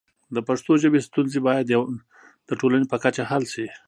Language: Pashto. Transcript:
د پښتو ژبې ستونزې باید د ټولنې په کچه حل شي.